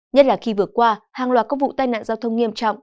nhất là khi vừa qua hàng loạt các vụ tai nạn giao thông nghiêm trọng